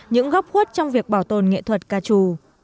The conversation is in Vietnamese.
những góc khuất trong việc bảo tồn nghệ thuật ca trù